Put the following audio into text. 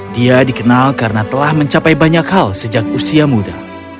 dia dikenal karena telah mencapai banyak hal sejak usia muda